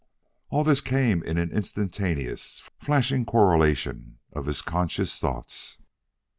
All this came in an instantaneous, flashing correlation of his conscious thoughts.